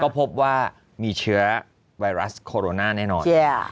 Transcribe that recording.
พบว่ามีเชื้อไวรัสโคโรนาแน่นอน